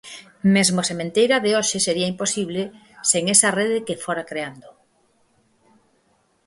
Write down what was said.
Mesmo a sementeira de hoxe sería imposible sen esa rede que fora creando.